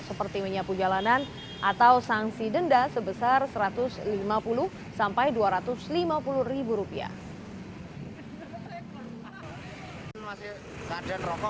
seperti menyapu jalanan atau sanksi denda sebesar satu ratus lima puluh sampai dua ratus lima puluh ribu rupiah